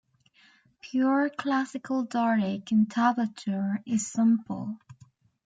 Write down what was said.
Pure classical Doric entablature is simple.